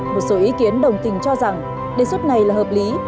một số ý kiến đồng tình cho rằng đề xuất này là hợp lý